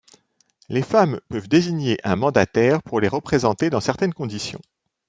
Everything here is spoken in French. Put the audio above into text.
Les femmes peuvent désigner un mandataire pour les représenter dans certaines conditions.